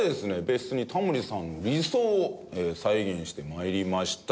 別室にタモリさんの理想を再現して参りました。